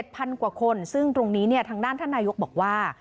พันกว่าคนซึ่งตรงนี้ทางด้านท่านนายกบอกว่า